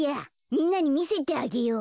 みんなにみせてあげよう。